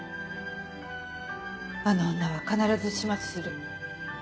あの女は必ず始末する。